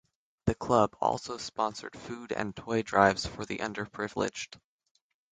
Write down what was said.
The Club also sponsored food and toy drives for the underprivileged.